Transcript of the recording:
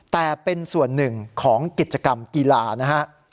แต่เป็นส่วนหนึ่งของกิจกรรมกีฬานะฮะ